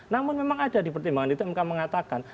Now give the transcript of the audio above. namun memang ada di pertimbangan itu mk mengatakan